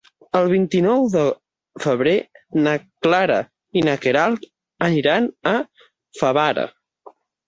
El vint-i-nou de febrer na Clara i na Queralt aniran a Favara.